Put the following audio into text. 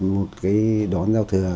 một cái đón giao thừa